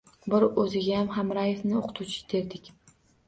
Biz Ozigayam Hamraevni o'qituvchi derdik